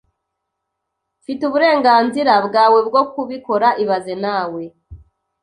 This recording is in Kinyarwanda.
Mfite uburenganzira bwawe bwo kubikora ibaze nawe